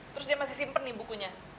terus dia masih simpen nih bukunya